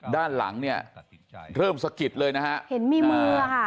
ด้านหลังเนี่ยเริ่มสะกิดเลยนะฮะเห็นมีมือค่ะ